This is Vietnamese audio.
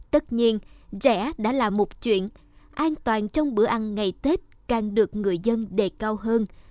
tất nhiên trẻ đã là một chuyện an toàn trong bữa ăn ngày tết càng được người dân đề cao hơn